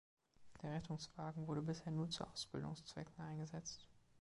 Der Rettungswagen wurde bisher nur zu Ausbildungszwecken eingesetzt.